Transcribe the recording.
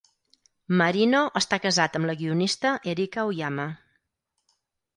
Marino està casat amb la guionista Erica Oyama.